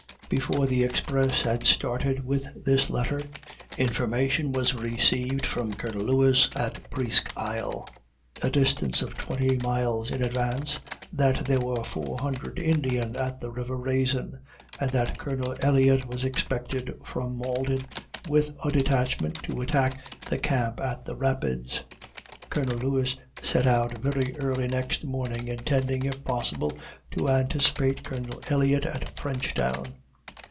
Before the express had started with this letter, information was received from Colonel Lewis at Presque Isle, a distance of twenty miles in advance, that there were four hundred Indians at the river Raisin, and that Colonel Elliott was expected from Malden, with a detachment to attack the camp at the Rapids. Colonel Lewis set out very early next morning, intending, if possible, to anticipate Colonel Elliott at Frenchtown.